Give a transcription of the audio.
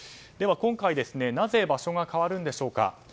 今回なぜ場所が変わるんでしょうか。